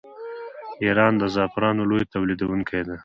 ایران د زعفرانو لوی تولیدونکی دی.